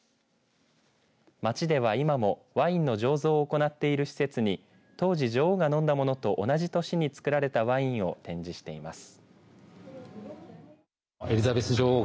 町では、今もワインの醸造を行っている施設に当時、女王が飲んだものと同じ年につくられたワインを展示しています。